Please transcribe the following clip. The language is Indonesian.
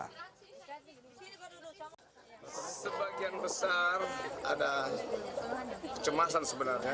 sebagian besar ada kecemasan sebenarnya